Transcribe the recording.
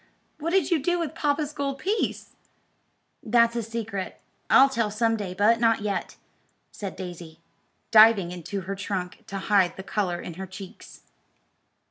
What did you do with papa's gold piece?" "That's a secret. I'll tell some day, but not yet," said Daisy, diving into her trunk to hide the color in her cheeks.